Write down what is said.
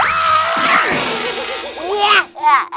aduh aduh aduh